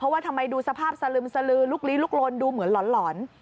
ว่าทำไมดูสภาพสลึมสลือลุกลี้ลุกลนดูเหมือนหลอน